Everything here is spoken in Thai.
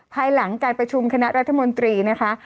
ภายหลังการประชุมคณะรัฐมนตรีนะคะ